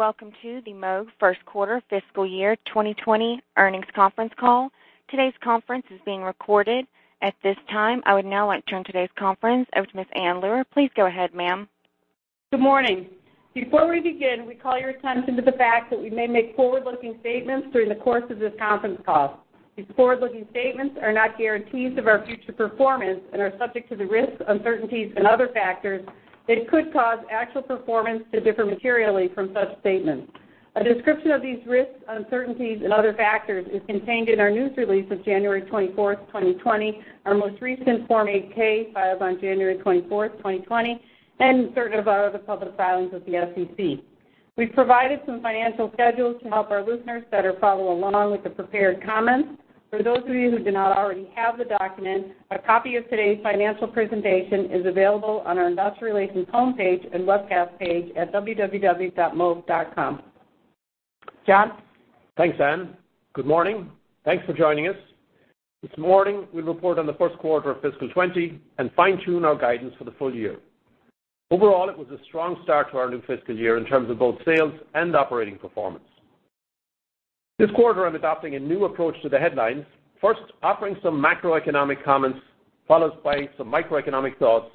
Welcome to the Moog first quarter fiscal year 2020 earnings conference call. Today's conference is being recorded. At this time, I would now like to turn today's conference over to Ms. Ann Luhr. Please go ahead, ma'am. Good morning. Before we begin, we call your attention to the fact that we may make forward-looking statements during the course of this conference call. These forward-looking statements are not guarantees of our future performance and are subject to the risks, uncertainties and other factors that could cause actual performance to differ materially from such statements. A description of these risks, uncertainties and other factors is contained in our news release of January 24th, 2020, our most recent Form 8-K filed on January 24th, 2020, and certified with other public filings with the SEC. We've provided some financial schedules to help our listeners better follow along with the prepared comments. For those of you who do not already have the document, a copy of today's financial presentation is available on our investor relations homepage and webcast page at www.moog.com. John? Thanks, Ann. Good morning. Thanks for joining us. This morning, we report on the first quarter of fiscal 2020 and fine-tune our guidance for the full year. Overall, it was a strong start to our new fiscal year in terms of both sales and operating performance. This quarter, I'm adopting a new approach to the headlines, first offering some macroeconomic comments, followed by some microeconomic thoughts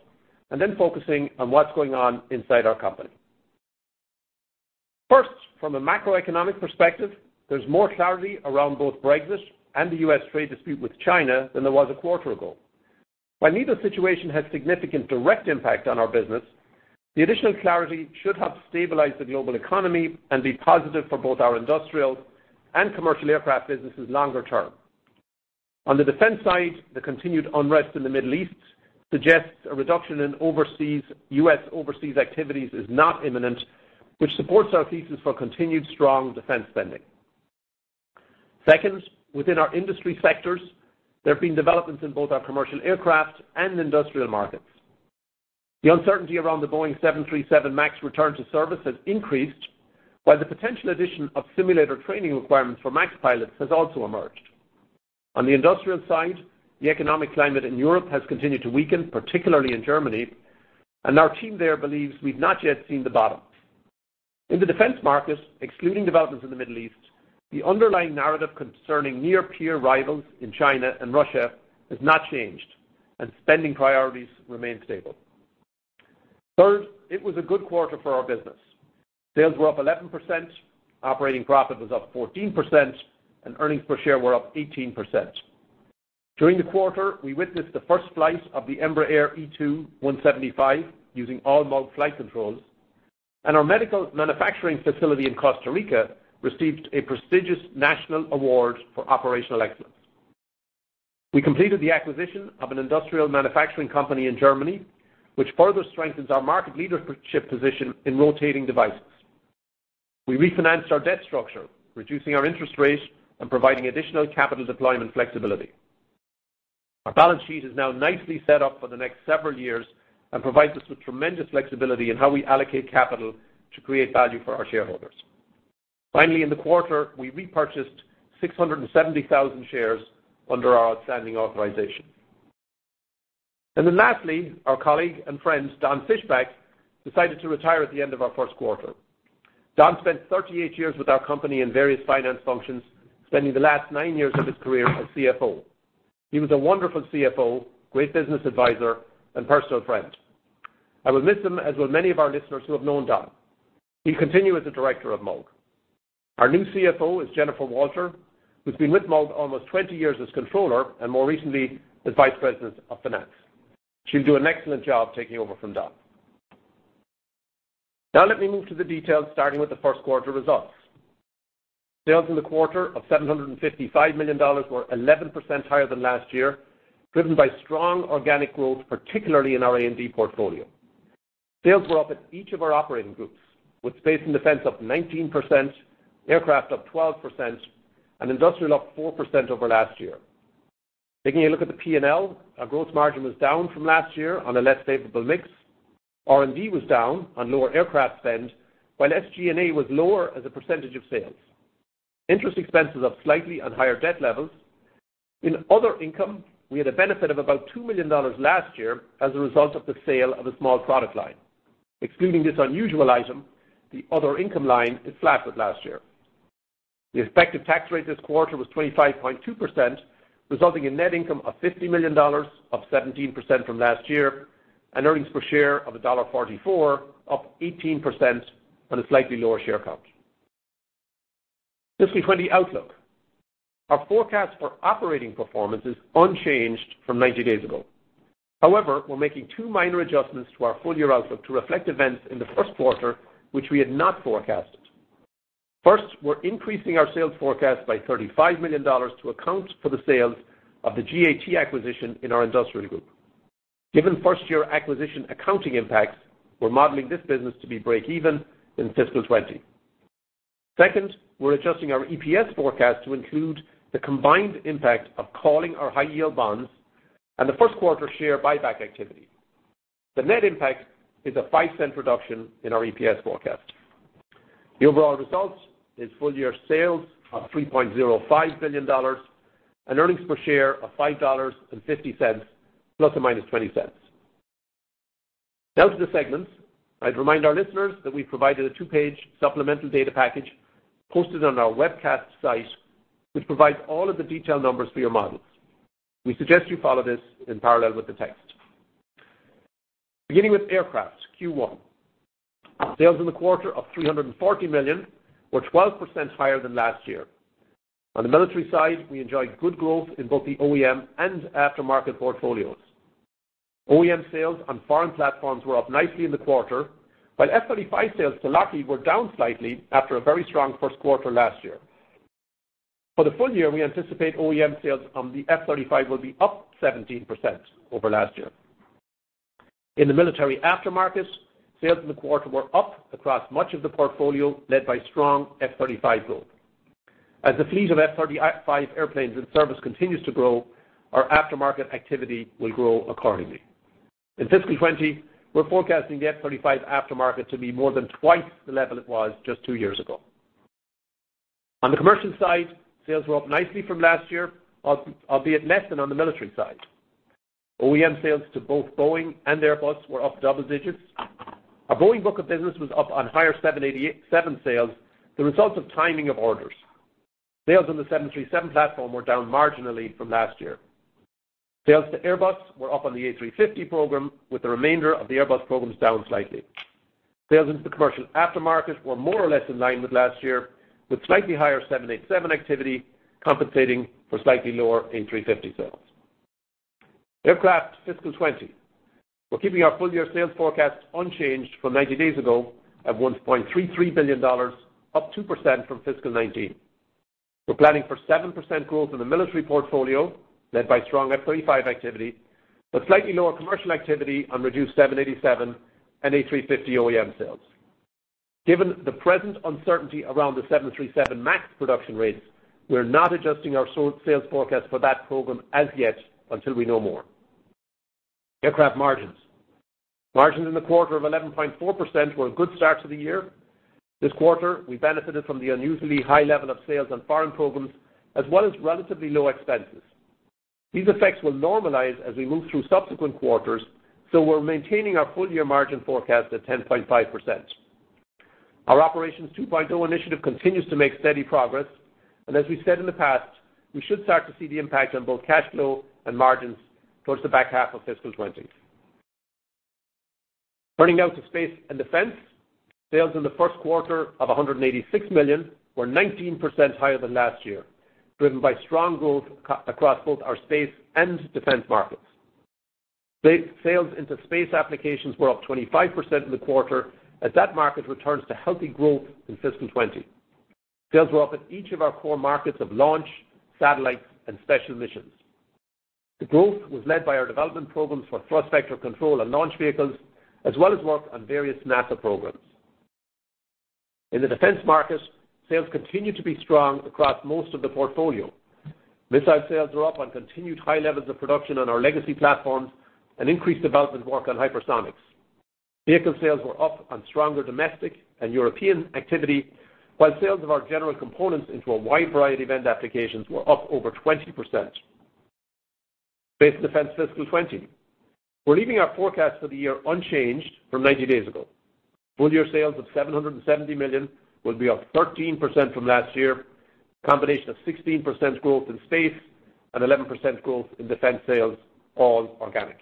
and then focusing on what's going on inside our company. First, from a macroeconomic perspective, there's more clarity around both Brexit and the U.S. trade dispute with China than there was a quarter ago. While neither situation has significant direct impact on our business, the additional clarity should help stabilize the global economy and be positive for both our industrial and commercial aircraft businesses longer term. On the defense side, the continued unrest in the Middle East suggests a reduction in U.S. overseas activities is not imminent, which supports our thesis for continued strong defense spending. Second, within our industry sectors, there have been developments in both our commercial aircraft and industrial markets. The uncertainty around the Boeing 737 MAX return to service has increased, while the potential addition of simulator training requirements for MAX pilots has also emerged. On the industrial side, the economic climate in Europe has continued to weaken, particularly in Germany, and our team there believes we've not yet seen the bottom. In the defense market, excluding developments in the Middle East, the underlying narrative concerning near-peer rivals in China and Russia has not changed, and spending priorities remain stable. Third, it was a good quarter for our business. Sales were up 11%, operating profit was up 14% and earnings per share were up 18%. During the quarter, we witnessed the first flight of the Embraer E175-E2 using all Moog flight controls, and our medical manufacturing facility in Costa Rica received a prestigious national award for operational excellence. We completed the acquisition of an industrial manufacturing company in Germany, which further strengthens our market leadership position in rotating devices. We refinanced our debt structure, reducing our interest rate and providing additional capital deployment flexibility. Our balance sheet is now nicely set up for the next several years and provides us with tremendous flexibility in how we allocate capital to create value for our shareholders. Finally, in the quarter, we repurchased 670,000 shares under our outstanding authorization. Our colleague and friend, Don Fishback, decided to retire at the end of our first quarter. Don spent 38 years with our company in various finance functions, spending the last nine years of his career as CFO. He was a wonderful CFO, great business advisor, and personal friend. I will miss him, as will many of our listeners who have known Don. He'll continue as a director of Moog. Our new CFO is Jennifer Walter, who's been with Moog almost 20 years as Controller, and more recently, as Vice President of Finance. She'll do an excellent job taking over from Don. Let me move to the details, starting with the first quarter results. Sales in the quarter of $755 million were 11% higher than last year, driven by strong organic growth, particularly in our A&D portfolio. Sales were up at each of our operating groups, with Space and Defense up 19%, Aircraft up 12%, and Industrial up 4% over last year. Taking a look at the P&L, our growth margin was down from last year on a less favorable mix. R&D was down on lower aircraft spend, while SG&A was lower as a percentage of sales. Interest expense was up slightly on higher debt levels. In other income, we had a benefit of about $2 million last year as a result of the sale of a small product line. Excluding this unusual item, the other income line is flat with last year. The effective tax rate this quarter was 25.2%, resulting in net income of $50 million, up 17% from last year, and earnings per share of $1.44, up 18% on a slightly lower share count. Fiscal 2020 outlook. Our forecast for operating performance is unchanged from 90 days ago. However, we're making two minor adjustments to our full-year outlook to reflect events in the first quarter, which we had not forecasted. First, we're increasing our sales forecast by $35 million to account for the sales of the GAT acquisition in our Industrial Group. Given first-year acquisition accounting impacts, we're modeling this business to be break even in fiscal 2020. Second, we're adjusting our EPS forecast to include the combined impact of calling our high-yield bonds and the first quarter share buyback activity. The net impact is a $0.05 reduction in our EPS forecast. The overall results is full-year sales of $3.05 billion and earnings per share of $5.50, ±$0.20. Now to the segments. I'd remind our listeners that we provided a two-page supplemental data package posted on our webcast site, which provides all of the detailed numbers for your models. We suggest you follow this in parallel with the text. Beginning with Aircraft Q1. Sales in the quarter of $340 million were 12% higher than last year. On the military side, we enjoyed good growth in both the OEM and aftermarket portfolios. OEM sales on foreign platforms were up nicely in the quarter, while F-35 sales to Lockheed were down slightly after a very strong first quarter last year. For the full year, we anticipate OEM sales on the F-35 will be up 17% over last year. In the military aftermarket, sales in the quarter were up across much of the portfolio, led by strong F-35 growth. As the fleet of F-35 airplanes and service continues to grow, our aftermarket activity will grow accordingly. In fiscal 2020, we're forecasting the F-35 aftermarket to be more than twice the level it was just two years ago. On the commercial side, sales were up nicely from last year, albeit less than on the military side. OEM sales to both Boeing and Airbus were up double digits. Our Boeing book of business was up on higher 787 sales, the result of timing of orders. Sales on the 737 platform were down marginally from last year. Sales to Airbus were up on the A350 program, with the remainder of the Airbus programs down slightly. Sales into the commercial aftermarket were more or less in line with last year, with slightly higher 787 activity compensating for slightly lower A350 sales. Aircraft fiscal 2020. We're keeping our full-year sales forecast unchanged from 90 days ago at $1.33 billion, up 2% from fiscal 2019. We're planning for 7% growth in the military portfolio, led by strong F-35 activity, but slightly lower commercial activity on reduced 787 and A350 OEM sales. Given the present uncertainty around the 737 MAX production rates, we're not adjusting our sales forecast for that program as yet until we know more. Aircraft margins. Margins in the quarter of 11.4% were a good start to the year. This quarter, we benefited from the unusually high level of sales on foreign programs, as well as relatively low expenses. These effects will normalize as we move through subsequent quarters. We're maintaining our full-year margin forecast at 10.5%. Our Operations 2.0 initiative continues to make steady progress. As we said in the past, we should start to see the impact on both cash flow and margins towards the back half of fiscal 2020. Turning now to Space and Defense. Sales in the first quarter of $186 million were 19% higher than last year, driven by strong growth across both our space and defense markets. Sales into space applications were up 25% in the quarter as that market returns to healthy growth in fiscal 2020. Sales were up in each of our core markets of launch, satellite, and special missions. The growth was led by our development programs for thrust vector control and launch vehicles, as well as work on various NASA programs. In the defense market, sales continued to be strong across most of the portfolio. Missile sales were up on continued high levels of production on our legacy platforms and increased development work on hypersonics. Vehicle sales were up on stronger domestic and European activity, while sales of our general components into a wide variety of end applications were up over 20%. Space and Defense fiscal 2020. We're leaving our forecast for the year unchanged from 90 days ago. Full-year sales of $770 million will be up 13% from last year, a combination of 16% growth in Space and 11% growth in Defense sales, all organic.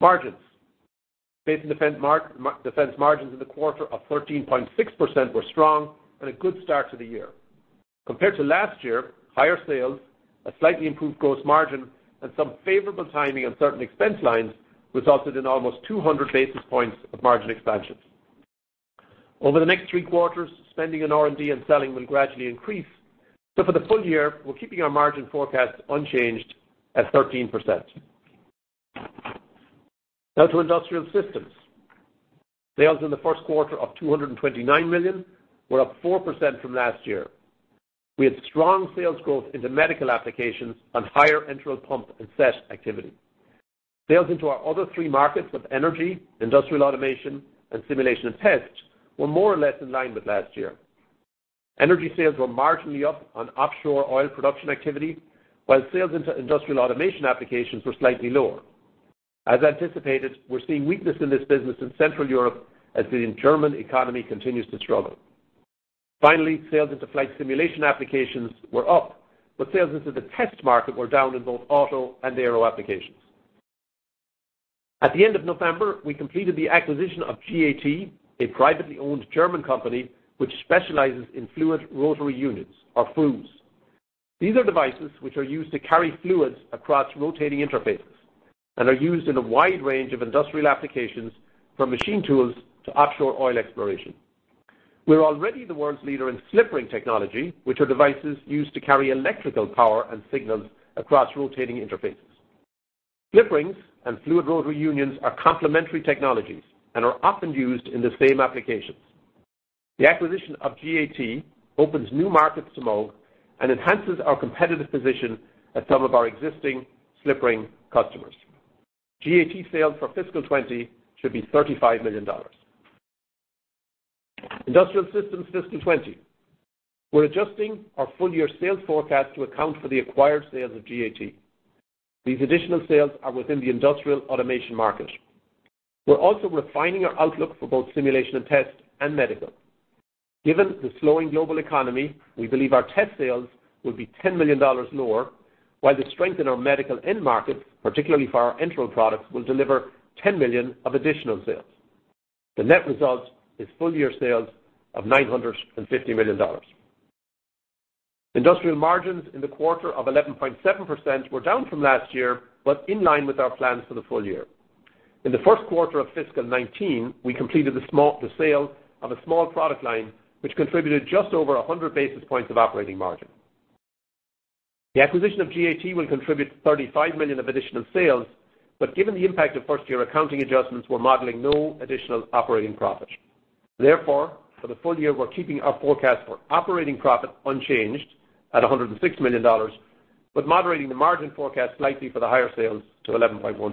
Margins. Space and Defense margins in the quarter of 13.6% were strong and a good start to the year. Compared to last year, higher sales, a slightly improved gross margin, and some favorable timing on certain expense lines resulted in almost 200 basis points of margin expansion. Over the next three quarters, spending on R&D and selling will gradually increase. For the full year, we're keeping our margin forecast unchanged at 13%. Now to Industrial Systems. Sales in the first quarter of $229 million were up 4% from last year. We had strong sales growth into medical applications on higher enteral pump and set activity. Sales into our other three markets with energy, industrial automation, and simulation and test were more or less in line with last year. Energy sales were marginally up on offshore oil production activity, while sales into industrial automation applications were slightly lower. As anticipated, we're seeing weakness in this business in Central Europe as the German economy continues to struggle. Finally, sales into flight simulation applications were up, but sales into the test market were down in both auto and aero applications. At the end of November, we completed the acquisition of GAT, a privately owned German company which specializes in fluid rotary unions, or FRUs. These are devices which are used to carry fluids across rotating interfaces and are used in a wide range of industrial applications, from machine tools to offshore oil exploration. We're already the world's leader in slip ring technology, which are devices used to carry electrical power and signals across rotating interfaces. Slip rings and fluid rotary unions are complementary technologies and are often used in the same applications. The acquisition of GAT opens new markets to Moog and enhances our competitive position at some of our existing slip ring customers. GAT sales for fiscal 2020 should be $35 million. Industrial systems fiscal 2020. We're adjusting our full-year sales forecast to account for the acquired sales of GAT. These additional sales are within the industrial automation market. We're also refining our outlook for both simulation and test and medical. Given the slowing global economy, we believe our test sales will be $10 million lower, while the strength in our medical end market, particularly for our enteral products, will deliver $10 million of additional sales. The net result is full-year sales of $950 million. Industrial margins in the quarter of 11.7% were down from last year, but in line with our plans for the full year. In the first quarter of fiscal 2019, we completed the sale of a small product line, which contributed just over 100 basis points of operating margin. The acquisition of GAT will contribute $35 million of additional sales. Given the impact of first-year accounting adjustments, we're modeling no additional operating profit. Therefore, for the full year, we're keeping our forecast for operating profit unchanged at $106 million, but moderating the margin forecast slightly for the higher sales to 11.1%.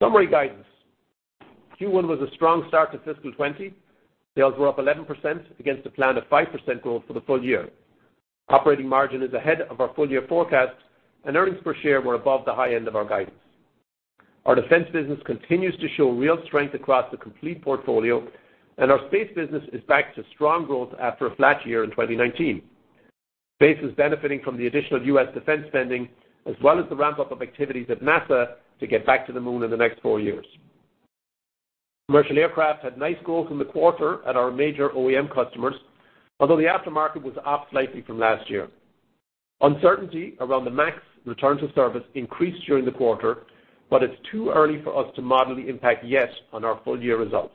Summary guidance. Q1 was a strong start to fiscal 2020. Sales were up 11% against a plan of 5% growth for the full year. Operating margin is ahead of our full-year forecast, and earnings per share were above the high end of our guidance. Our Defense business continues to show real strength across the complete portfolio, and our Space business is back to strong growth after a flat year in 2019. Space is benefiting from the additional U.S. defense spending, as well as the ramp-up of activities at NASA to get back to the moon in the next four years. Commercial aircraft had nice growth in the quarter at our major OEM customers, although the aftermarket was off slightly from last year. Uncertainty around the MAX return to service increased during the quarter, but it's too early for us to model the impact yet on our full-year results.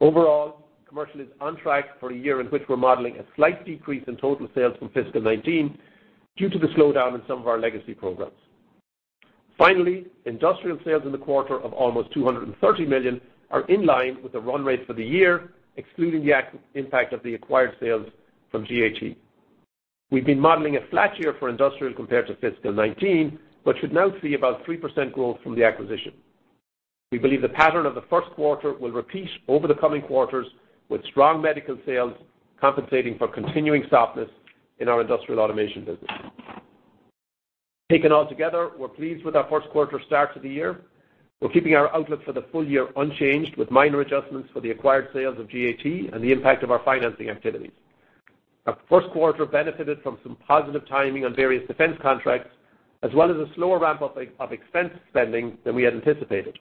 Overall, commercial is on track for a year in which we're modeling a slight decrease in total sales from fiscal 2019 due to the slowdown in some of our legacy programs. Finally, industrial sales in the quarter of almost $230 million are in line with the run rate for the year, excluding the impact of the acquired sales from GAT. We've been modeling a flat year for industrial compared to fiscal 2019, but should now see about 3% growth from the acquisition. We believe the pattern of the first quarter will repeat over the coming quarters, with strong medical sales compensating for continuing softness in our industrial automation business. Taken all together, we're pleased with our first quarter start to the year. We're keeping our outlook for the full year unchanged, with minor adjustments for the acquired sales of GAT and the impact of our financing activities. Our first quarter benefited from some positive timing on various defense contracts, as well as a slower ramp-up of expense spending than we had anticipated.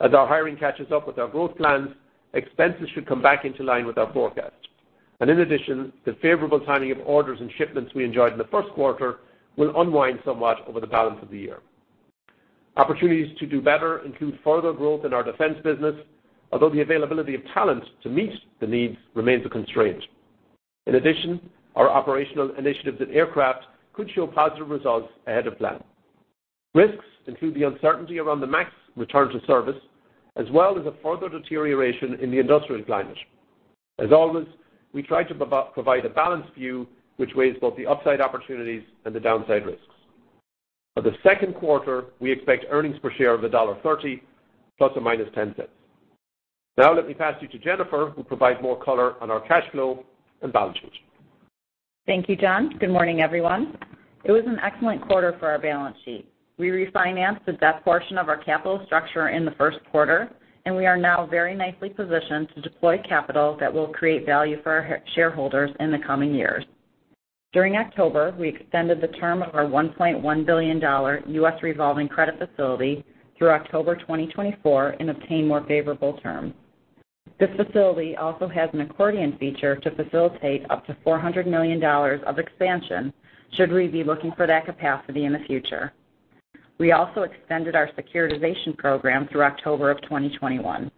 As our hiring catches up with our growth plans, expenses should come back into line with our forecast. In addition, the favorable timing of orders and shipments we enjoyed in the first quarter will unwind somewhat over the balance of the year. Opportunities to do better include further growth in our defense business, although the availability of talent to meet the needs remains a constraint. In addition, our operational initiatives at Aircraft could show positive results ahead of plan. Risks include the uncertainty around the MAX return to service, as well as a further deterioration in the industrial climate. As always, we try to provide a balanced view which weighs both the upside opportunities and the downside risks. For the second quarter, we expect earnings per share of $1.30 ±$0.10. Let me pass you to Jennifer, who will provide more color on our cash flow and balance sheet. Thank you, John. Good morning, everyone. It was an excellent quarter for our balance sheet. We refinanced the debt portion of our capital structure in the first quarter, and we are now very nicely positioned to deploy capital that will create value for our shareholders in the coming years. During October, we extended the term of our $1.1 billion U.S. revolving credit facility through October 2024 and obtained more favorable terms. This facility also has an accordion feature to facilitate up to $400 million of expansion should we be looking for that capacity in the future. We also extended our securitization program through October of 2021.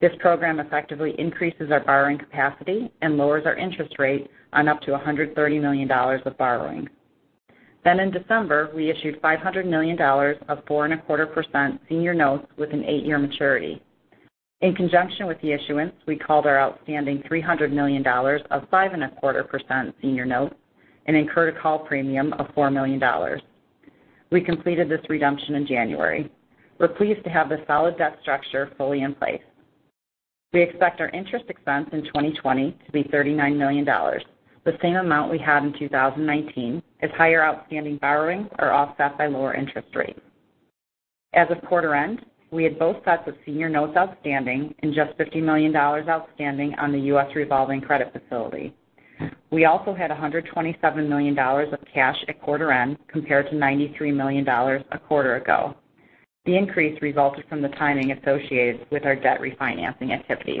This program effectively increases our borrowing capacity and lowers our interest rate on up to $130 million of borrowing. In December, we issued $500 million of 4.25% senior notes with an eight-year maturity. In conjunction with the issuance, we called our outstanding $300 million of 5.25% senior notes and incurred a call premium of $4 million. We completed this redemption in January. We're pleased to have this solid debt structure fully in place. We expect our interest expense in 2020 to be $39 million, the same amount we had in 2019, as higher outstanding borrowings are offset by lower interest rates. As of quarter end, we had both sets of senior notes outstanding and just $50 million outstanding on the U.S. revolving credit facility. We also had $127 million of cash at quarter end, compared to $93 million a quarter ago. The increase resulted from the timing associated with our debt refinancing activities.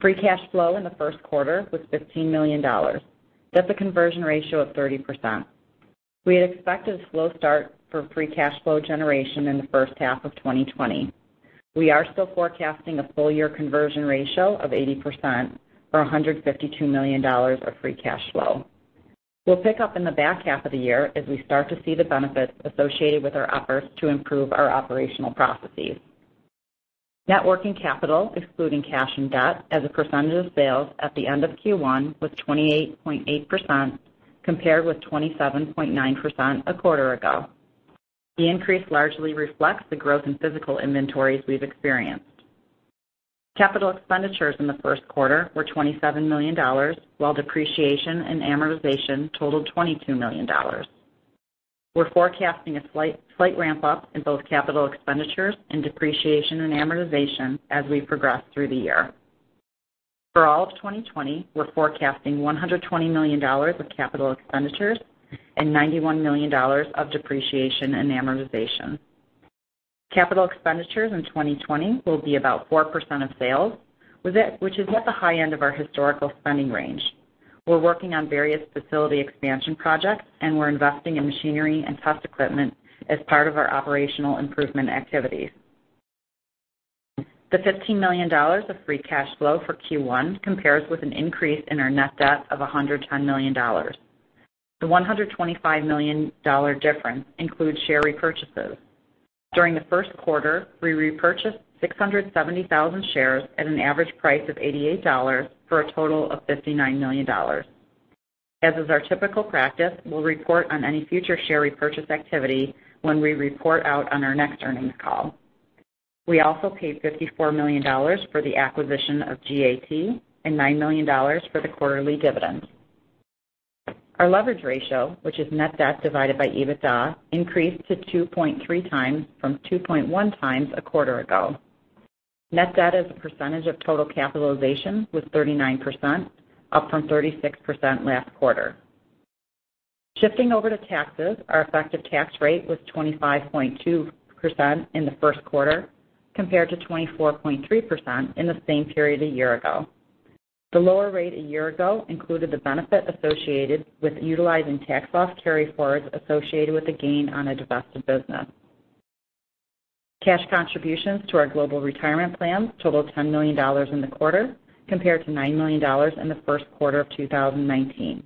Free cash flow in the first quarter was $15 million. That's a conversion ratio of 30%. We had expected a slow start for free cash flow generation in the first half of 2020. We are still forecasting a full-year conversion ratio of 80%, or $152 million of free cash flow. We'll pick up in the back half of the year as we start to see the benefits associated with our efforts to improve our operational processes. Net working capital, excluding cash and debt as a percentage of sales at the end of Q1, was 28.8%, compared with 27.9% a quarter ago. The increase largely reflects the growth in physical inventories we've experienced. Capital expenditures in the first quarter were $27 million, while depreciation and amortization totaled $22 million. We're forecasting a slight ramp-up in both capital expenditures and depreciation and amortization as we progress through the year. For all of 2020, we're forecasting $120 million of capital expenditures and $91 million of depreciation and amortization. Capital expenditures in 2020 will be about 4% of sales, which is at the high end of our historical spending range. We're working on various facility expansion projects, and we're investing in machinery and test equipment as part of our operational improvement activities. The $15 million of free cash flow for Q1 compares with an increase in our net debt of $110 million. The $125 million difference includes share repurchases. During the first quarter, we repurchased 670,000 shares at an average price of $88 for a total of $59 million. As is our typical practice, we'll report on any future share repurchase activity when we report out on our next earnings call. We also paid $54 million for the acquisition of GAT and $9 million for the quarterly dividends. Our leverage ratio, which is net debt divided by EBITDA, increased to 2.3x from 2.1x a quarter ago. Net debt as a percentage of total capitalization was 39%, up from 36% last quarter. Shifting over to taxes, our effective tax rate was 25.2% in the first quarter, compared to 24.3% in the same period a year ago. The lower rate a year ago included the benefit associated with utilizing tax loss carryforwards associated with a gain on a divested business. Cash contributions to our global retirement plans totaled $10 million in the quarter, compared to $9 million in the first quarter of 2019.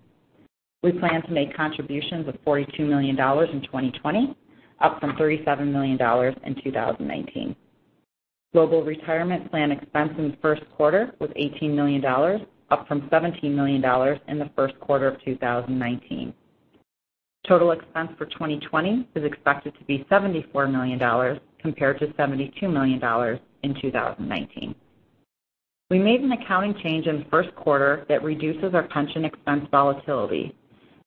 We plan to make contributions of $42 million in 2020, up from $37 million in 2019. Global retirement plan expense in the first quarter was $18 million, up from $17 million in the first quarter of 2019. Total expense for 2020 is expected to be $74 million compared to $72 million in 2019. We made an accounting change in the first quarter that reduces our pension expense volatility.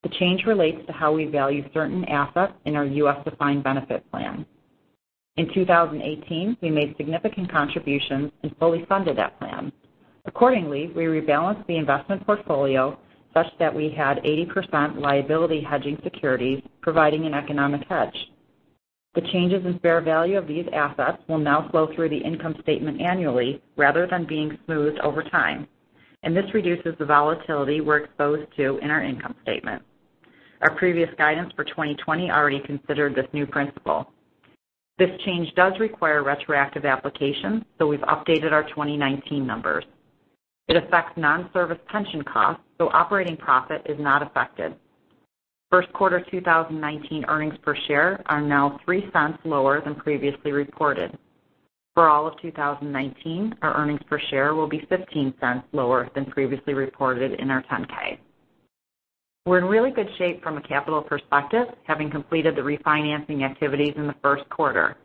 The change relates to how we value certain assets in our U.S. defined benefit plan. In 2018, we made significant contributions and fully funded that plan. Accordingly, we rebalanced the investment portfolio such that we had 80% liability hedging securities, providing an economic hedge. The changes in fair value of these assets will now flow through the income statement annually rather than being smoothed over time, and this reduces the volatility we're exposed to in our income statement. Our previous guidance for 2020 already considered this new principle. This change does require retroactive application, so we've updated our 2019 numbers. It affects non-service pension costs, so operating profit is not affected. First quarter 2019 earnings per share are now $0.03 lower than previously reported. For all of 2019, our earnings per share will be $0.15 lower than previously reported in our 10-K. We're in really good shape from a capital perspective, having completed the refinancing activities in the first quarter.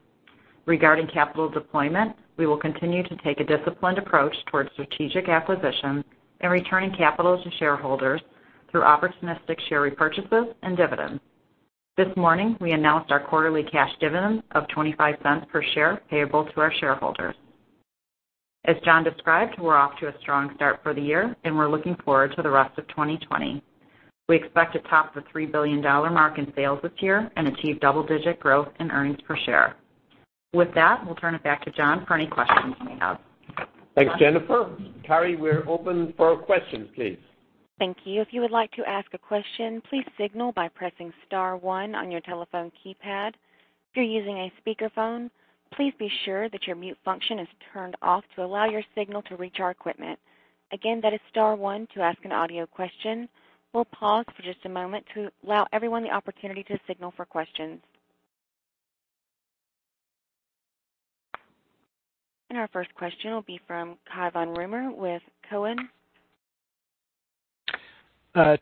Regarding capital deployment, we will continue to take a disciplined approach towards strategic acquisitions and returning capital to shareholders through opportunistic share repurchases and dividends. This morning, we announced our quarterly cash dividend of $0.25 per share payable to our shareholders. As John described, we're off to a strong start for the year, and we're looking forward to the rest of 2020. We expect to top the $3 billion mark in sales this year and achieve double-digit growth in earnings per share. With that, we'll turn it back to John for any questions you may have. Thanks, Jennifer. Carrie, we're open for questions, please. Thank you. If you would like to ask a question, please signal by pressing star one on your telephone keypad. If you're using a speakerphone, please be sure that your mute function is turned off to allow your signal to reach our equipment. Again, that is star one to ask an audio question. We'll pause for just a moment to allow everyone the opportunity to signal for questions. Our first question will be from Cai von Rumohr with Cowen.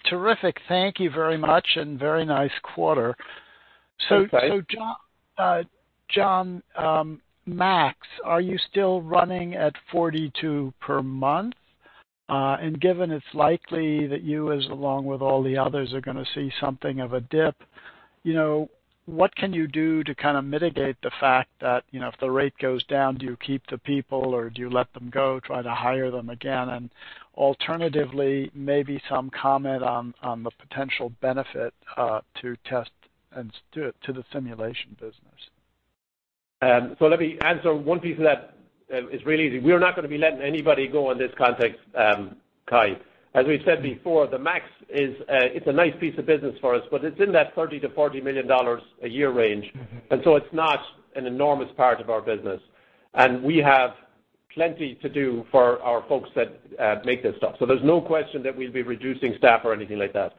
Terrific. Thank you very much and very nice quarter. John, 737 MAX, are you still running at 42 per month? Given it's likely that you, as along with all the others, are gonna see something of a dip, what can you do to kind of mitigate the fact that, if the rate goes down, do you keep the people, or do you let them go, try to hire them again? Alternatively, maybe some comment on the potential benefit to test and to the simulation business. Let me answer one piece of that. It's really easy. We are not going to be letting anybody go in this context, Cai. As we said before, the Max is a nice piece of business for us, but it's in that $30 million-$40 million a year range. It's not an enormous part of our business. We have plenty to do for our folks that make this stuff. There's no question that we'll be reducing staff or anything like that.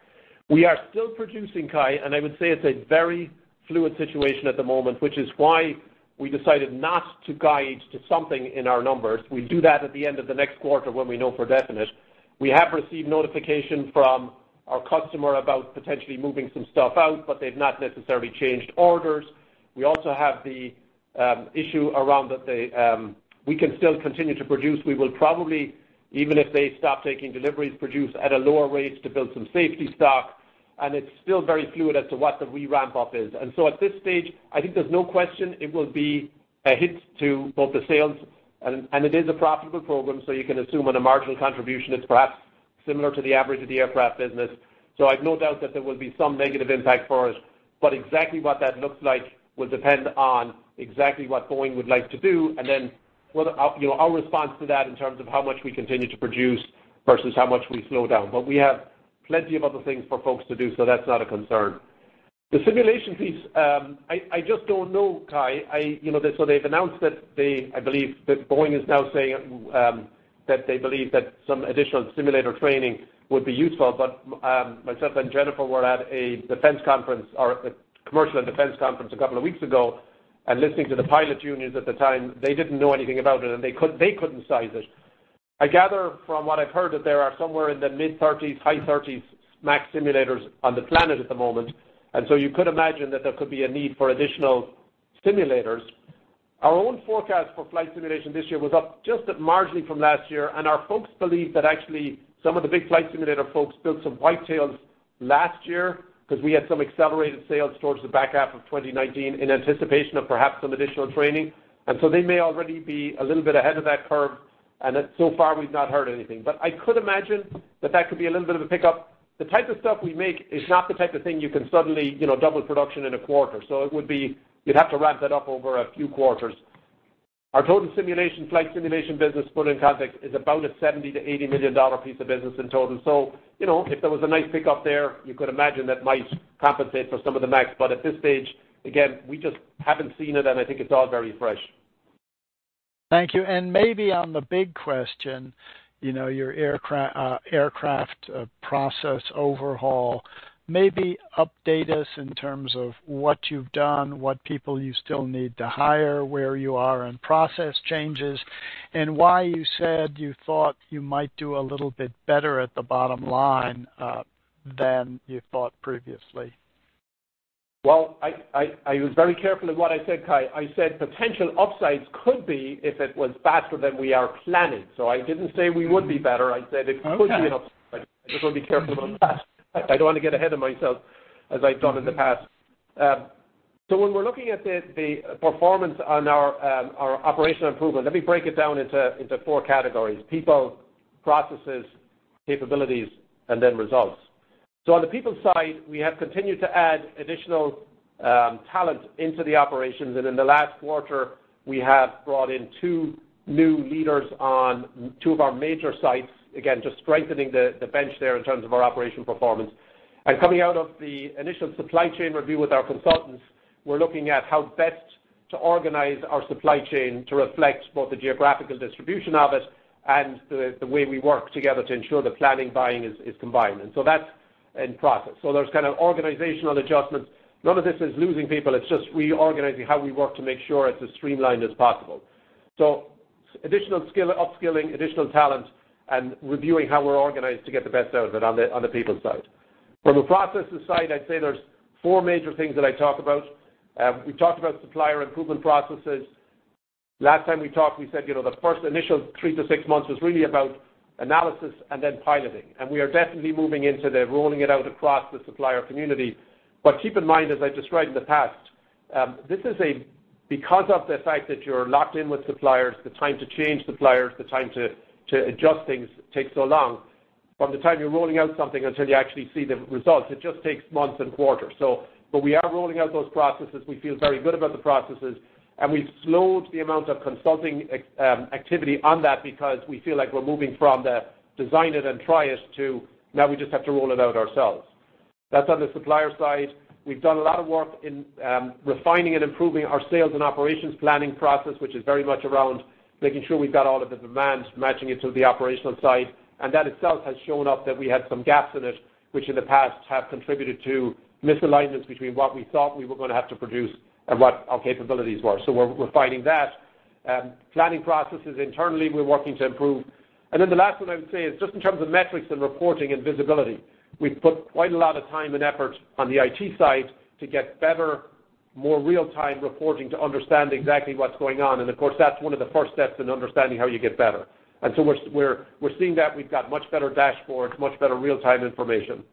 We are still producing, Cai, and I would say it's a very fluid situation at the moment, which is why we decided not to guide to something in our numbers. We'll do that at the end of the next quarter when we know for definite. We have received notification from our customer about potentially moving some stuff out, but they've not necessarily changed orders. We also have the issue around that we can still continue to produce. We will probably, even if they stop taking deliveries, produce at a lower rate to build some safety stock, and it's still very fluid as to what the re-ramp-up is. At this stage, I think there's no question it will be a hit to both the sales, and it is a profitable program, so you can assume on a marginal contribution, it's perhaps similar to the average of the aircraft business. I've no doubt that there will be some negative impact for us. Exactly what that looks like will depend on exactly what Boeing would like to do, and then our response to that in terms of how much we continue to produce versus how much we slow down. We have plenty of other things for folks to do, so that's not a concern. The simulation piece, I just don't know, Cai. They've announced that they, I believe that Boeing is now saying that they believe that some additional simulator training would be useful. Myself and Jennifer were at a defense conference or a commercial and defense conference a couple of weeks ago, and listening to the pilot unions at the time, they didn't know anything about it, and they couldn't size it. I gather from what I've heard that there are somewhere in the mid-30s, high 30s MAX simulators on the planet at the moment. You could imagine that there could be a need for additional simulators. Our own forecast for flight simulation this year was up just marginally from last year, and our folks believe that actually some of the big flight simulator folks built some whitetails last year because we had some accelerated sales towards the back half of 2019 in anticipation of perhaps some additional training. They may already be a little bit ahead of that curve, and so far we've not heard anything. I could imagine that that could be a little bit of a pickup. The type of stuff we make is not the type of thing you can suddenly double production in a quarter. You'd have to ramp that up over a few quarters. Our total simulation, flight simulation business put in context is about a $70 million-$80 million piece of business in total. If there was a nice pickup there, you could imagine that might compensate for some of the MAX. At this stage, again, we just haven't seen it and I think it's all very fresh. Thank you. Maybe on the big question, your aircraft process overhaul, maybe update us in terms of what you've done, what people you still need to hire, where you are in process changes, and why you said you thought you might do a little bit better at the bottom line than you thought previously. Well, I was very careful in what I said, Cai. I said potential upsides could be if it was faster than we are planning. I didn't say we would be better, I said it could be an upside. Okay. I've got to be careful on that. I don't want to get ahead of myself as I've done in the past. When we're looking at the performance on our operational improvement, let me break it down into four categories: people, processes, capabilities, and results. On the people side, we have continued to add additional talent into the operations, and in the last quarter, we have brought in two new leaders on two of our major sites. Again, just strengthening the bench there in terms of our operational performance. Coming out of the initial supply chain review with our consultants, we're looking at how best to organize our supply chain to reflect both the geographical distribution of it and the way we work together to ensure the planning buying is combined. That's in process. There's kind of organizational adjustments. None of this is losing people. It's just reorganizing how we work to make sure it's as streamlined as possible. Additional upskilling, additional talent, and reviewing how we're organized to get the best out of it on the people side. From the processes side, I'd say there's four major things that I talk about. We've talked about supplier improvement processes. Last time we talked, we said the first initial three to six months was really about analysis and then piloting. We are definitely moving into the rolling it out across the supplier community. Keep in mind, as I described in the past, because of the fact that you're locked in with suppliers, the time to change suppliers, the time to adjust things takes so long. From the time you're rolling out something until you actually see the results, it just takes months and quarters. We are rolling out those processes. We feel very good about the processes, and we've slowed the amount of consulting activity on that because we feel like we're moving from the design it and try it to now we just have to roll it out ourselves. That's on the supplier side. We've done a lot of work in refining and improving our sales and operations planning process, which is very much around making sure we've got all of the demand matching it to the operational side. That itself has shown up that we had some gaps in it, which in the past have contributed to misalignments between what we thought we were going to have to produce and what our capabilities were. We're refining that. Planning processes internally, we're working to improve. The last one I would say is just in terms of metrics and reporting and visibility. We've put quite a lot of time and effort on the IT side to get better, more real-time reporting to understand exactly what's going on. Of course, that's one of the first steps in understanding how you get better. We're seeing that we've got much better dashboards, much better real-time information.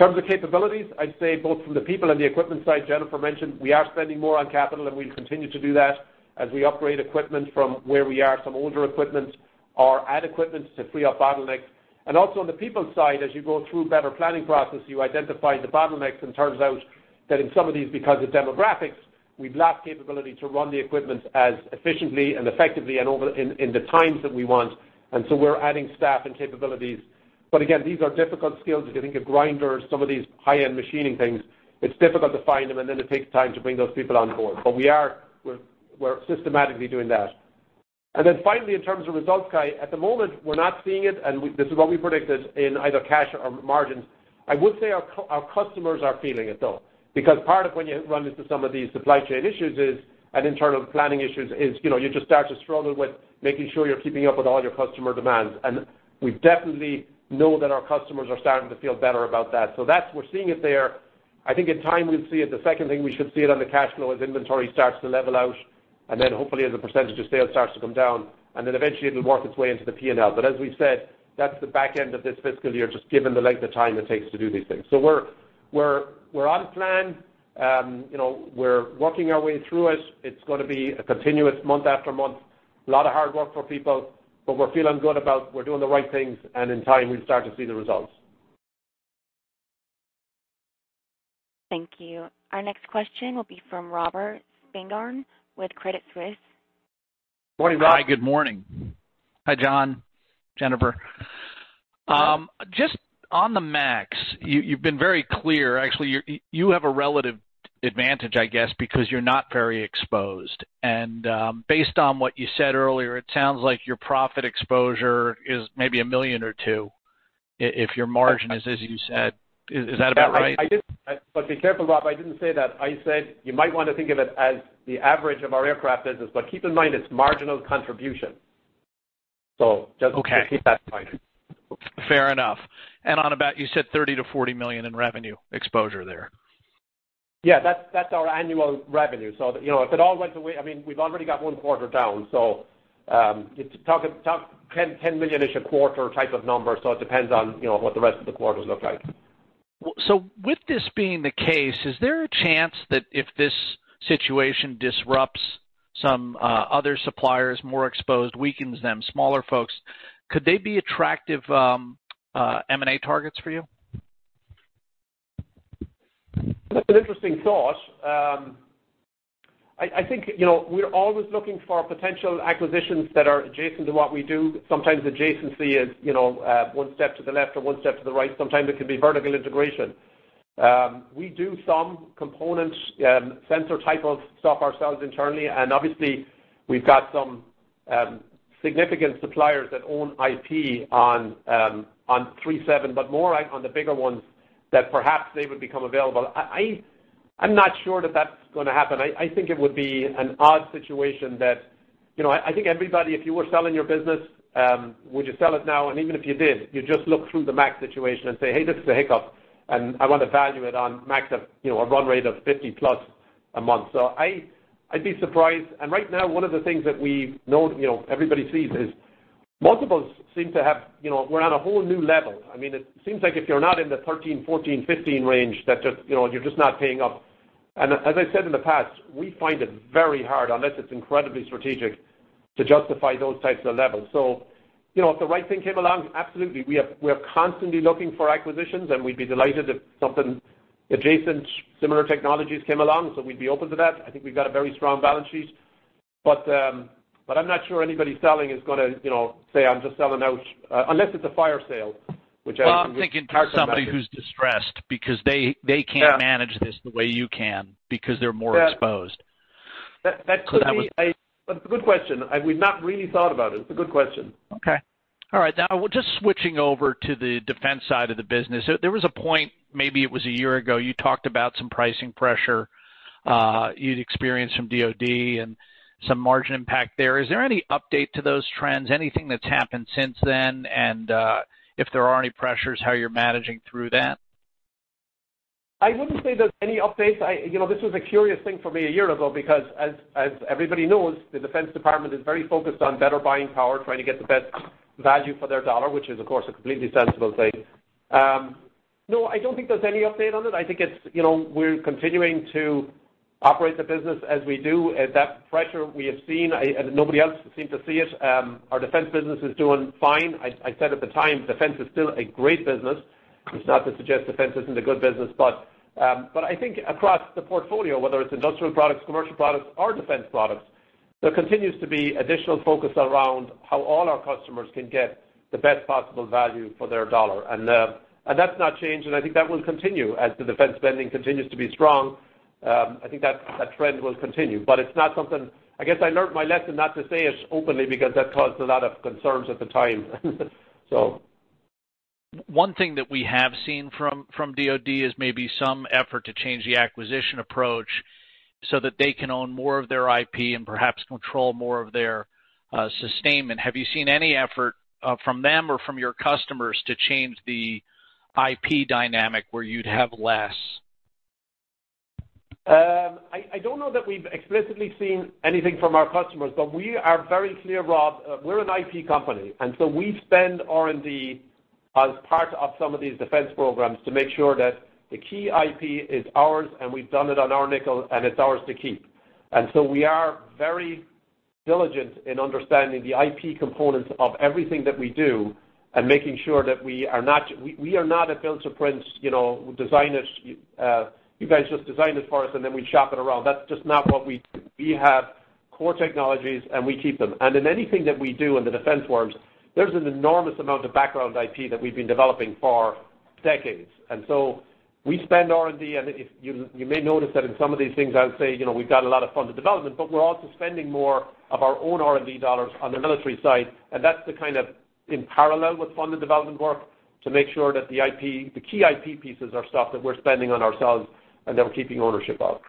In terms of capabilities, I'd say both from the people and the equipment side, Jennifer mentioned we are spending more on capital and we'll continue to do that as we upgrade equipment from where we are, some older equipment or add equipment to free up bottlenecks. Also on the people side, as you go through better planning process, you identify the bottlenecks and turns out that in some of these because of demographics, we've lacked capability to run the equipment as efficiently and effectively and in the times that we want. We're adding staff and capabilities. Again, these are difficult skills. If you think of grinders, some of these high-end machining things, it's difficult to find them and then it takes time to bring those people on board. We're systematically doing that. Finally, in terms of results, Cai, at the moment, we're not seeing it, and this is what we predicted in either cash or margins. I would say our customers are feeling it, though, because part of when you run into some of these supply chain issues and internal planning issues is you just start to struggle with making sure you're keeping up with all your customer demands. We definitely know that our customers are starting to feel better about that. We're seeing it there. I think in time we'll see it. The second thing we should see it on the cash flow as inventory starts to level out, and then hopefully as a percentage of sales starts to come down, and then eventually it'll work its way into the P&L. As we've said, that's the back end of this fiscal year, just given the length of time it takes to do these things. We're on plan. We're working our way through it. It's going to be a continuous month after month, a lot of hard work for people, but we're feeling good about we're doing the right things, and in time, we'll start to see the results. Thank you. Our next question will be from Robert Spingarn with Credit Suisse. Morning, Rob. Hi, good morning. Hi, John, Jennifer. Hi. Just on the MAX, you've been very clear. Actually, you have a relative advantage, I guess, because you're not very exposed. Based on what you said earlier, it sounds like your profit exposure is maybe $1 million or $2 million, if your margin is, as you said. Is that about right? Be careful, Rob. I didn't say that. I said you might want to think of it as the average of our aircraft business. Keep in mind, it's marginal contribution. Okay. Keep that in mind. Fair enough. On about, you said $30 million-$40 million in revenue exposure there. Yeah, that's our annual revenue. If it all went away, we've already got one quarter down. Talk $10 million-ish a quarter type of number. It depends on what the rest of the quarters look like. With this being the case, is there a chance that if this situation disrupts some other suppliers, more exposed, weakens them, smaller folks, could they be attractive M&A targets for you? That's an interesting thought. I think we're always looking for potential acquisitions that are adjacent to what we do. Sometimes adjacency is one step to the left or one step to the right. Sometimes it can be vertical integration. We do some component sensor type of stuff ourselves internally, and obviously we've got some significant suppliers that own IP on 737, but more on the bigger ones that perhaps they would become available. I'm not sure that that's going to happen. I think it would be an odd situation that I think everybody, if you were selling your business, would you sell it now? Even if you did, you'd just look through the MAX situation and say, "Hey, this is a hiccup, and I want to value it on MAX of a run rate of 50+ a month." I'd be surprised. Right now, one of the things that everybody sees is multiples seem to have. We're on a whole new level. It seems like if you're not in the 13, 14, 15 range, that you're just not paying up. As I said in the past, we find it very hard, unless it's incredibly strategic, to justify those types of levels. If the right thing came along, absolutely. We are constantly looking for acquisitions, and we'd be delighted if something adjacent, similar technologies came along. We'd be open to that. I think we've got a very strong balance sheet. I'm not sure anybody selling is gonna say, "I'm just selling out," unless it's a fire sale. I'm thinking somebody who's distressed because they can't manage this the way you can because they're more exposed. That's a good question. We've not really thought about it. It's a good question. Okay. All right, now just switching over to the defense side of the business. There was a point, maybe it was a year ago, you talked about some pricing pressure you'd experienced from DoD and some margin impact there. Is there any update to those trends? Anything that's happened since then? If there are any pressures, how you're managing through that? I wouldn't say there's any updates. This was a curious thing for me a year ago because as everybody knows, the Defense Department is very focused on Better Buying Power, trying to get the best value for their dollar, which is, of course, a completely sensible thing. I don't think there's any update on it. I think we're continuing to operate the business as we do. That pressure we have seen, nobody else seemed to see it. Our defense business is doing fine. I said at the time, defense is still a great business. It's not to suggest defense isn't a good business. I think across the portfolio, whether it's industrial products, commercial products, or defense products, there continues to be additional focus around how all our customers can get the best possible value for their dollar. That's not changed, and I think that will continue as the defense spending continues to be strong. I think that trend will continue. I guess I learned my lesson not to say it openly because that caused a lot of concerns at the time so. One thing that we have seen from DoD is maybe some effort to change the acquisition approach so that they can own more of their IP and perhaps control more of their sustainment. Have you seen any effort from them or from your customers to change the IP dynamic where you'd have less? I don't know that we've explicitly seen anything from our customers, but we are very clear, Rob, we're an IP company. We spend R&D as part of some of these defense programs to make sure that the key IP is ours. We've done it on our nickel, and it's ours to keep. We are very diligent in understanding the IP components of everything that we do and making sure that we are not a build-to-print designers, you guys just design this for us and then we shop it around. That's just not what we do. We have core technologies, and we keep them. In anything that we do in the defense world, there's an enormous amount of background IP that we've been developing for decades. We spend R&D, and you may notice that in some of these things, I would say we've got a lot of funded development, but we're also spending more of our own R&D dollars on the military side, and that's to kind of in parallel with funded development work to make sure that the key IP pieces are stuff that we're spending on ourselves and that we're keeping ownership of.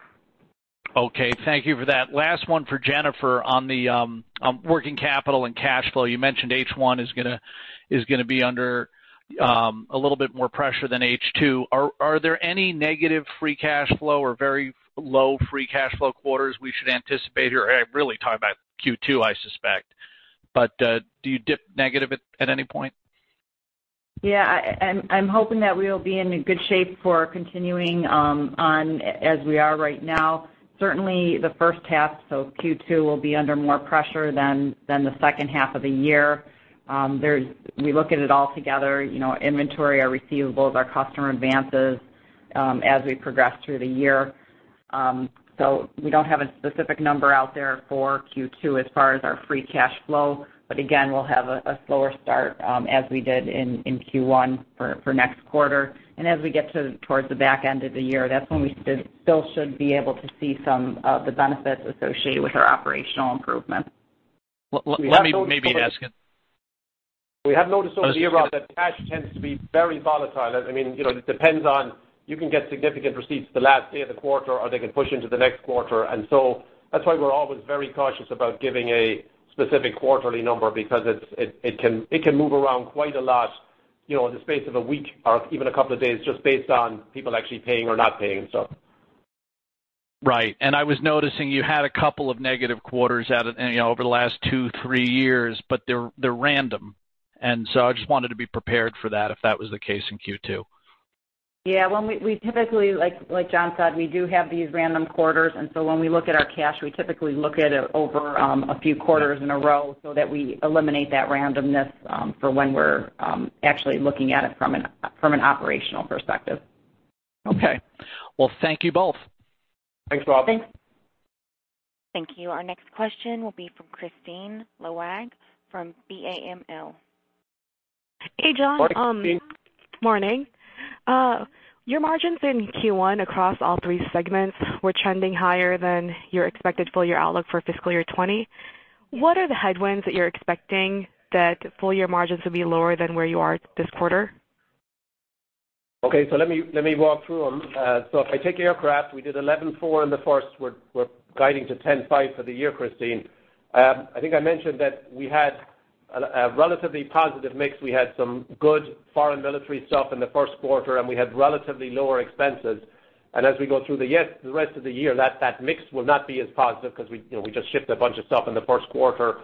Okay, thank you for that. Last one for Jennifer on the working capital and cash flow. You mentioned H1 is going to be under a little bit more pressure than H2. Are there any negative free cash flow or very low free cash flow quarters we should anticipate or are really talking about Q2, I suspect, but do you dip negative at any point? Yeah, I'm hoping that we'll be in good shape for continuing on as we are right now. Certainly the first half, so Q2, will be under more pressure than the second half of the year. We look at it all together, inventory, our receivables, our customer advances, as we progress through the year. We don't have a specific number out there for Q2 as far as our free cash flow. Again, we'll have a slower start as we did in Q1 for next quarter. As we get towards the back end of the year, that's when we still should be able to see some of the benefits associated with our operational improvements. Let me maybe ask- We have noticed over the year, Rob, that cash tends to be very volatile. It depends on, you can get significant receipts the last day of the quarter, or they can push into the next quarter. That's why we're always very cautious about giving a specific quarterly number, because it can move around quite a lot in the space of a week or even a couple of days just based on people actually paying or not paying. Right. I was noticing you had a couple of negative quarters over the last two, three years. They're random. I just wanted to be prepared for that if that was the case in Q2. Yeah. We typically, like John said, we do have these random quarters. When we look at our cash, we typically look at it over a few quarters in a row so that we eliminate that randomness for when we're actually looking at it from an operational perspective. Okay. Well, thank you both. Thanks, Rob. Thanks. Thank you. Our next question will be from Kristine Liwag from Bank of America Merrill Lynch. Hey, John. Morning, Kristine. Morning. Your margins in Q1 across all three segments were trending higher than your expected full-year outlook for fiscal year 2020. What are the headwinds that you're expecting that full-year margins will be lower than where you are this quarter? Okay, let me walk through them. If I take aircraft, we did 11.4% in the first. We're guiding to 10.5% for the year, Kristine. I think I mentioned that we had a relatively positive mix. We had some good foreign military stuff in the first quarter, and we had relatively lower expenses. As we go through the rest of the year, that mix will not be as positive because we just shipped a bunch of stuff in the first quarter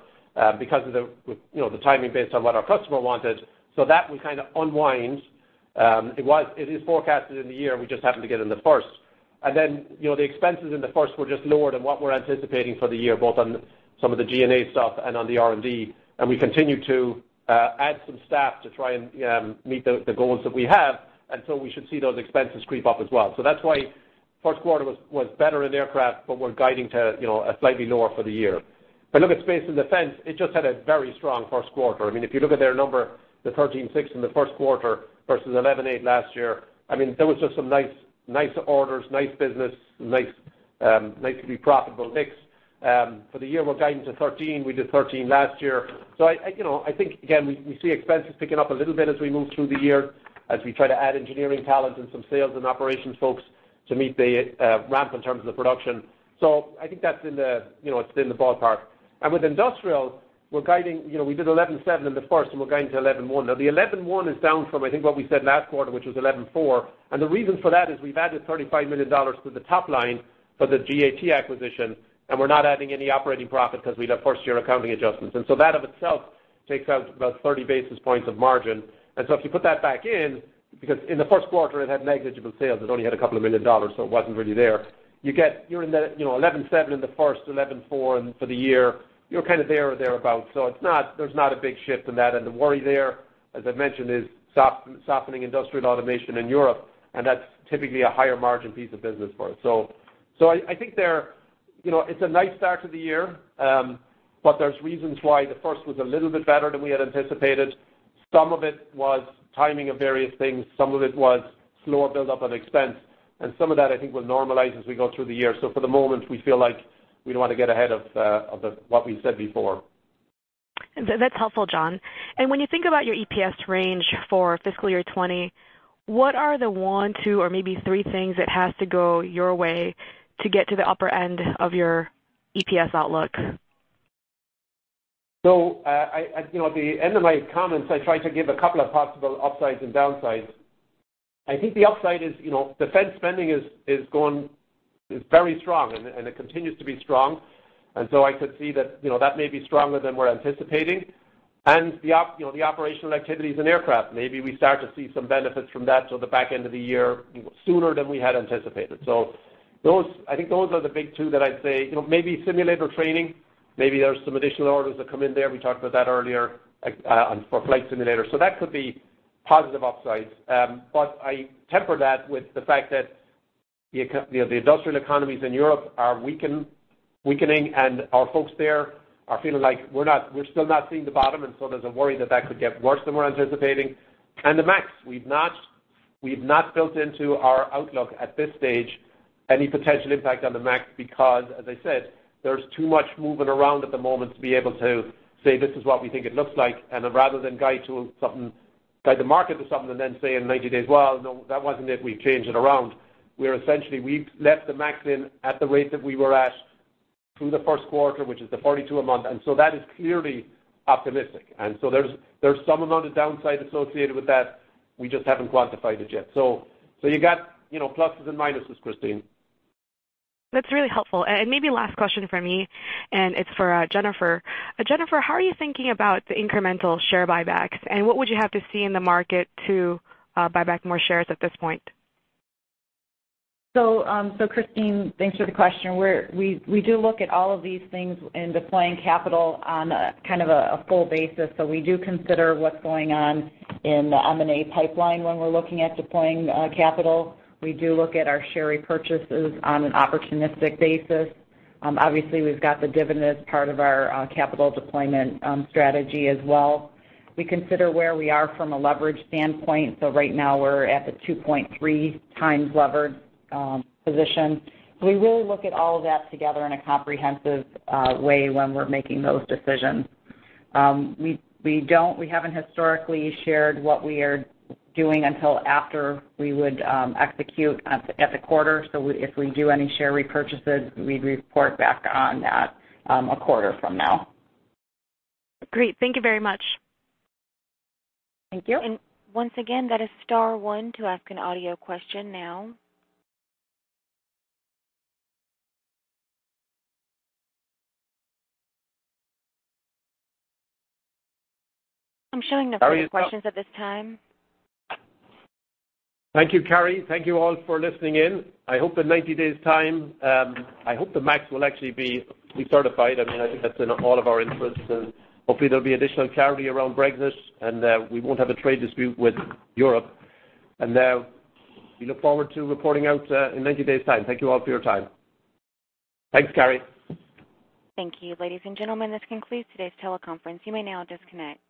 because of the timing based on what our customer wanted. That will kind of unwind. It is forecasted in the year, we just happened to get in the first. The expenses in the first were just lower than what we're anticipating for the year, both on some of the G&A stuff and on the R&D. We continue to add some staff to try and meet the goals that we have. We should see those expenses creep up as well. That's why first quarter was better in Aircraft, but we're guiding to slightly lower for the year. If I look at Space and Defense, it just had a very strong first quarter. If you look at their number, the 13.6% in the first quarter versus 11.8% last year, there was just some nice orders, nice business, nice to be profitable mix. For the year, we're guiding to 13%. We did 13% last year. I think, again, we see expenses picking up a little bit as we move through the year as we try to add engineering talent and some sales and operations folks to meet the ramp in terms of the production. I think that's in the ballpark. With industrial, we did 11.7% in the first and we're guiding to 11.1%. The 11.1% is down from I think what we said last quarter, which was 11.4%. The reason for that is we've added $35 million to the top line for the GAT acquisition, and we're not adding any operating profit because we'd have first-year accounting adjustments. That of itself takes out about 30 basis points of margin. If you put that back in, because in the first quarter it had negligible sales, it only had a couple of million dollars, so it wasn't really there. You're in the 11.7% in the first, 11.4% for the year. You're kind of there or thereabout. There's not a big shift in that. The worry there, as I mentioned, is softening industrial automation in Europe, and that's typically a higher margin piece of business for us. I think it's a nice start to the year. There's reasons why the first was a little bit better than we had anticipated. Some of it was timing of various things, some of it was slower build up on expense, and some of that I think will normalize as we go through the year. For the moment, we feel like we don't want to get ahead of what we've said before. That's helpful, John. When you think about your EPS range for fiscal year 2020, what are the one, two, or maybe three things that have to go your way to get to the upper end of your EPS outlook? At the end of my comments, I tried to give a couple of possible upsides and downsides. I think the upside is defense spending is very strong and it continues to be strong. I could see that may be stronger than we're anticipating. The operational activities in aircraft, maybe we start to see some benefits from that to the back end of the year sooner than we had anticipated. I think those are the big two that I'd say. Maybe simulator training, maybe there's some additional orders that come in there. We talked about that earlier for flight simulator. That could be positive upsides. I temper that with the fact that the industrial economies in Europe are weakening and our folks there are feeling like we're still not seeing the bottom, there's a worry that that could get worse than we're anticipating. The MAX, we've not built into our outlook at this stage any potential impact on the MAX because, as I said, there's too much moving around at the moment to be able to say this is what we think it looks like. Rather than guide the market to something and then say in 90 days, "Well, no, that wasn't it, we've changed it around." We've left the MAX in at the rate that we were at through the first quarter, which is the 42 a month. That is clearly optimistic. There's some amount of downside associated with that. We just haven't quantified it yet. You got pluses and minuses, Kristine. That's really helpful. Maybe last question from me, and it's for Jennifer. Jennifer, how are you thinking about the incremental share buybacks, and what would you have to see in the market to buy back more shares at this point? Kristine, thanks for the question. We do look at all of these things in deploying capital on a full basis. We do consider what's going on in the M&A pipeline when we're looking at deploying capital. We do look at our share repurchases on an opportunistic basis. Obviously, we've got the dividend as part of our capital deployment strategy as well. We consider where we are from a leverage standpoint. Right now we're at the 2.3x levered position. We really look at all of that together in a comprehensive way when we're making those decisions. We haven't historically shared what we are doing until after we would execute at the quarter. If we do any share repurchases, we'd report back on that a quarter from now. Great. Thank you very much. Thank you. Once again, that is star one to ask an audio question now. I'm showing no further questions at this time. Thank you, Carrie. Thank you all for listening in. I hope in 90 days' time, I hope the MAX will actually be certified. I think that's in all of our interests, and hopefully there'll be additional clarity around Brexit, and we won't have a trade dispute with Europe. We look forward to reporting out in 90 days' time. Thank you all for your time. Thanks, Carrie. Thank you. Ladies and gentlemen, this concludes today's teleconference. You may now disconnect.